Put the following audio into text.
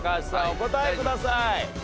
お答えください。